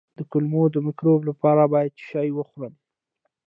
د کولمو د مکروب لپاره باید څه شی وخورم؟